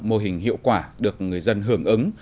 mô hình hiệu quả được người dân hưởng ứng